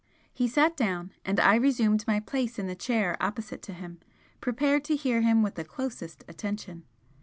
He sat down, and I resumed my place in the chair opposite to him, prepared to hear him with the closest attention.